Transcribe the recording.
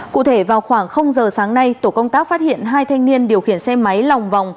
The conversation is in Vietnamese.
cụ thể vào khoảng giờ sáng nay tổ công tác phát hiện hai thanh niên điều khiển xe máy lòng vòng